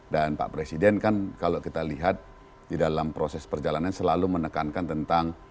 dan pak presiden kan kalau kita lihat di dalam proses perjalanan selalu menekankan tentang